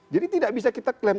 jadi tidak bisa kita klaim